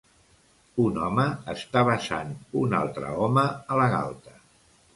Un home està besant un altre home a la galta.